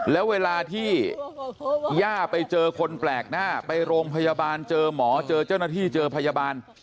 แล้วเวลาที่ย่าไปเจอคนแปลกหน้าไปโรงพยาบาลเจอหมอเจอเจ้าหน้าที่เจอพยาบาล